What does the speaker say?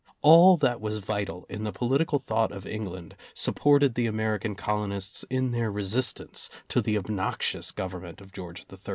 All that was vital in the political thought of England supported the American colonists in their resistance to the obnoxious government of George III.